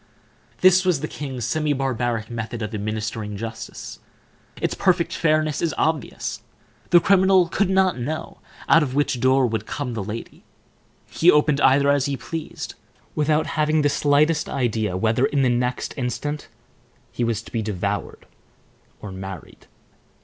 This was the king's semi barbaric method of administering justice. Its perfect fairness is obvious. The criminal could not know out of which door would come the lady; he opened either he pleased, without having the slightest idea whether, in the next instant, he was to be devoured or married.